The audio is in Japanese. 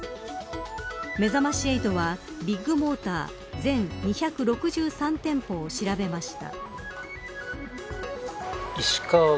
めざまし８は、ビッグモーター全２６３店舗を調べました。